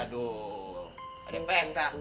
waduh ada pesta